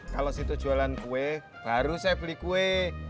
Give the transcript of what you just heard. kalau situ jualan kue baru saya beli kue